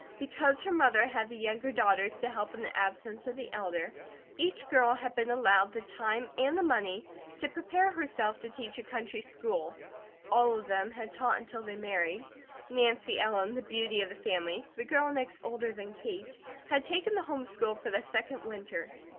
Because her mother had the younger daughters to help in the absence of the elder, each girl had been allowed the time and money to prepare herself to teach a country school; all of them had taught until they married. Nancy Ellen, the beauty of the family, the girl next older than Kate, had taken the home school for the second winter.